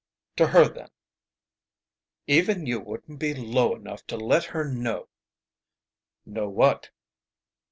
"To her, then." "Even you wouldn't be low enough to let her know " "Know what?"